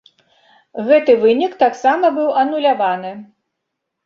Гэты вынік таксама быў ануляваны.